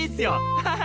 アハハハ！